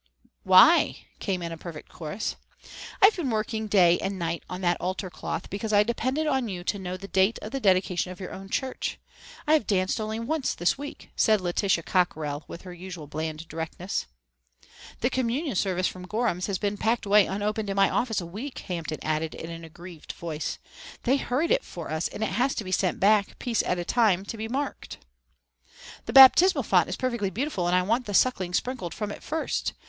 "Why?" came in a perfect chorus. "I've been working night and day on that altar cloth because I depended on you to know the date of the dedication of your own church. I have danced only once this week," said Letitia Cockrell, with her usual bland directness. "The communion service from Gorham's has been packed away unopened in my office a week," Hampton added in an aggrieved voice. "They hurried it for us and it has to be sent back, piece at a time, to be marked." "The baptismal font is perfectly beautiful and I want the Suckling sprinkled from it first.